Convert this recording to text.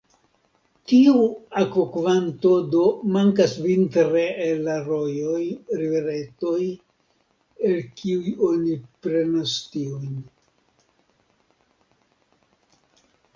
Tiu akvokvanto do mankas vintre el la rojoj, riveretoj, el kiuj oni prenas tiujn.